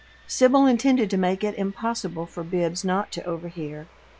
Sibyl intended to make it impossible for Bibbs not to overhear.